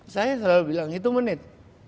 saya selalu bilang itu menit